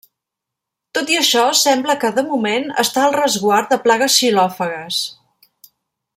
Tot i això, sembla que, de moment, està al resguard de plagues xilòfagues.